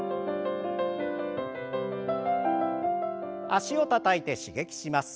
脚をたたいて刺激します。